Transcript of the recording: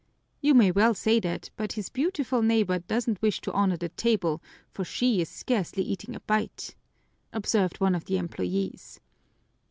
"You may well say that, but his beautiful neighbor doesn't wish to honor the table, for she is scarcely eating a bite," observed one of the employees.